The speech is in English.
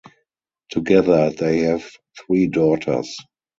Together they have three daughters.